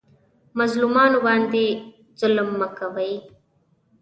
مظلومانو باندې ظلم مه کوئ